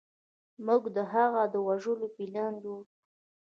موږ د هغه د وژلو پلان جوړ کړ.